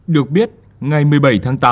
được biết ngày một mươi bảy tháng tám